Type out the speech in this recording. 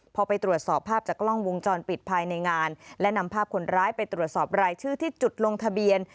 พอไปตรวจสอบภาพจากกล้องวงจรปิดภายในงานและนำภาพคนร้ายไปตรวจสอบรายชื่อที่จุดลงทะเบียน